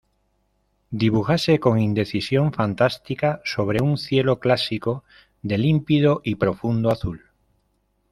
dibújase con indecisión fantástica sobre un cielo clásico, de límpido y profundo azul.